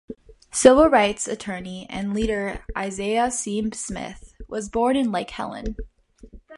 Civil rights attorney and leader Isiah C. Smith was born in Lake Helen.